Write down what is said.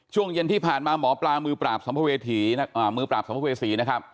ช่วงเย็นที่ผ่านมาหมอปลามือปราบสมภเวษี